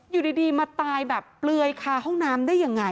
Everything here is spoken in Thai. อยู่ดีมาตายแบบเปลือยคาห้องน้ำได้ยังไง